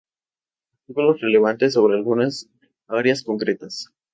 Artículos relevantes sobre algunas áreas concretas.